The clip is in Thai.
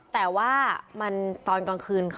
แต่ว่ามันตอนกลางคืน